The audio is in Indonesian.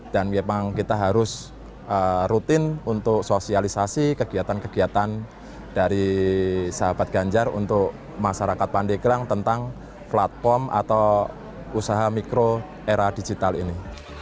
dan memang kita harus rutin untuk sosialisasi kegiatan kegiatan dari sahabat ganjar untuk masyarakat pandeglang tentang platform atau usaha mikro era digital ini